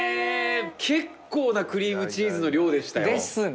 結構なクリームチーズの量でしたよですね